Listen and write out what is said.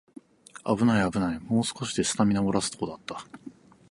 あぶないあぶない、もう少しでスタミナもらすところだった